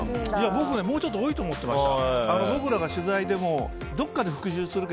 僕、もうちょっと多いと思ってました。